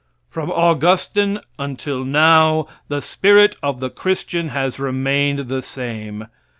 From Augustine until now the spirit of the Christian has remained the same.